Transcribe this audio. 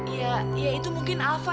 ya itu mungkin alva yang